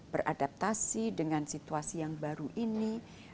beradaptasi dengan situasi yang baru ini